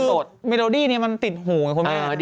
แต่คือเมโลดี้นี้มันติดหูไงคุณพี่